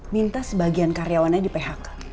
minta sebagian karyawannya di phk